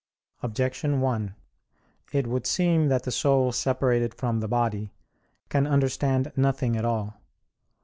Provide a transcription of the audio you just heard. Objection 1: It would seem that the soul separated from the body can understand nothing at all.